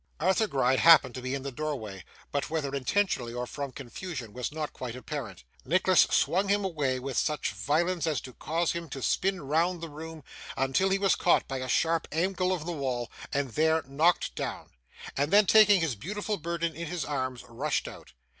Arthur Gride happened to be in the doorway, but whether intentionally or from confusion was not quite apparent. Nicholas swung him away, with such violence as to cause him to spin round the room until he was caught by a sharp angle of the wall, and there knocked down; and then taking his beautiful burden in his arms rushed out.